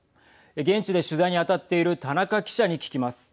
現地で取材に当たっている田中記者に聞きます。